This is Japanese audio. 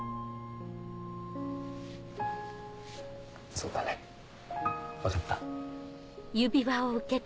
そうだね分かった。